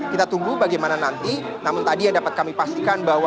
kita tunggu bagaimana nanti namun tadi yang dapat kami pastikan bahwa